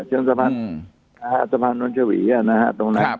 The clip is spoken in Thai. เชิงสะพานอืมนะฮะสะพานนวัลชวีอ่ะนะฮะตรงนั้นครับ